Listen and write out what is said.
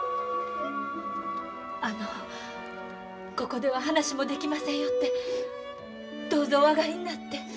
あのここでは話もできませんよってどうぞお上がりになって。